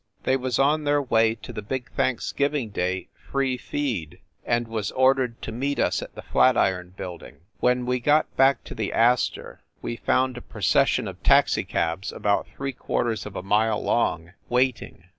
They was on their way to the big Thanks giving Day free feed, and was ordered to meet us at the Flatiron Building. When we got back to the Astor we found a pro cession of taxicabs about three quarters of a mile long, waiting.